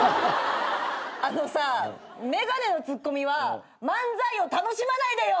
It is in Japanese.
あのさ眼鏡のツッコミは漫才を楽しまないでよ！